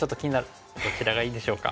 どちらがいいでしょうか。